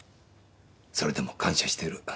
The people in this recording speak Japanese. それでも感謝してる。